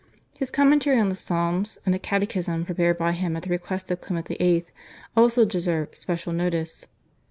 His commentary on the Psalms, and the Catechism prepared by him at the request of Clement VIII. also deserve special notice.